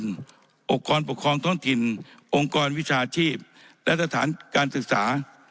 องค์กรปกครองท้องถิ่นองค์กรวิชาชีพและสถานการศึกษา